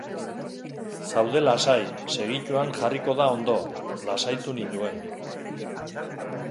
Zaude lasai, segituan jarriko da ondo, lasaitu ninduen.